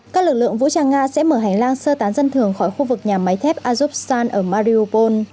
các lực lượng vũ trang nga sẽ mở hành lang sơ tán dân thường khỏi khu vực nhà máy thép azuksan ở mariopol